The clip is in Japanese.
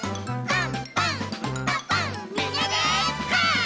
パン！